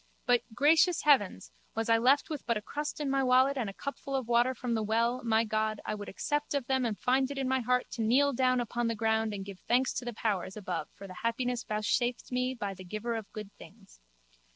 But, gracious heaven, was I left with but a crust in my wallet and a cupful of water from the well, my God, I would accept of them and find it in my heart to kneel down upon the ground and give thanks to the powers above for the happiness vouchsafed me by the Giver of good things.